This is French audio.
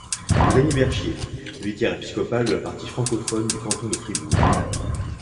Rémy Berchier, vicaire épiscopal de la partie francophone du canton de Fribourg.